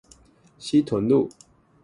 西屯路